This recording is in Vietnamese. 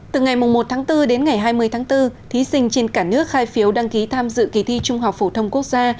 từ ngày một tháng bốn đến ngày hai mươi tháng bốn thí sinh trên cả nước khai phiếu đăng ký tham dự kỳ thi trung học phổ thông quốc gia